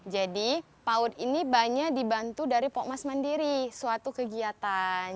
jadi paut ini banyak dibantu dari pokmas mandiri suatu kegiatan